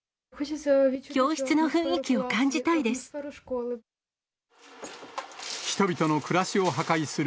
教室の雰囲気を感じたいです。